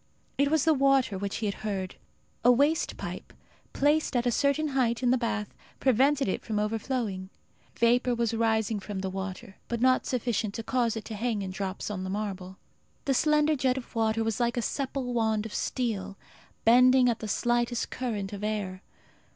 It was the water which he had heard. A waste pipe, placed at a certain height in the bath, prevented it from overflowing. Vapour was rising from the water, but not sufficient to cause it to hang in drops on the marble. The slender jet of water was like a supple wand of steel, bending at the slightest current of air.